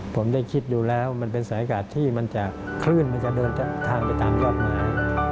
ผมได้คิดดูแล้วมันเป็นสายอากาศที่มันจะคลื่นมันจะเดินทางไปตามยอดไม้